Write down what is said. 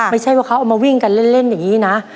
ไม่ใช่ว่าเขาเอามาวิ่งกันเล่นอย่างนี้นะ